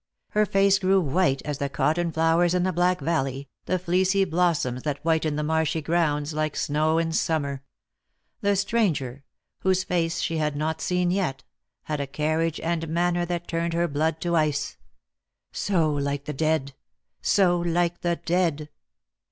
Her face grew white as the cotton flowers in the Black Valley, the fleecy blossoms that whiten the marshy grounds, like snow in summer. The stranger — whose face she had not seen yet — had a carriage and manner that turned her blood to ice. So like the dead — so like the dead